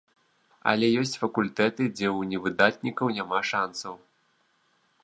Але ёсць факультэты, дзе ў невыдатнікаў няма шанцаў.